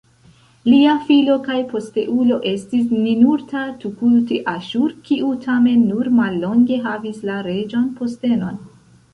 Lia filo kaj posteulo estis Ninurta-tukulti-Aŝur, kiu tamen nur mallonge havis la reĝan postenon.